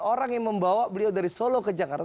orang yang membawa beliau dari solo ke jakarta